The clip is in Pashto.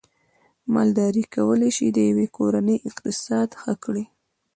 مالداري کولای شي د یوې کورنۍ اقتصاد ښه کړي